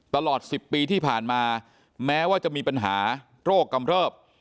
ตลอด๑๐ปีที่ผ่านมาแม้ว่าจะมีปัญหาโรคกำเริบ